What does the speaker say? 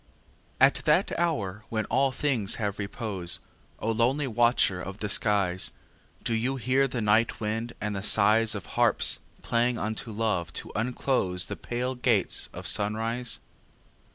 III At that hour when all things have repose, O lonely watcher of the skies, Do you hear the night wind and the sighs Of harps playing unto Love to unclose The pale gates of sunrise?